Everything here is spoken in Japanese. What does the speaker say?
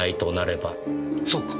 そうか。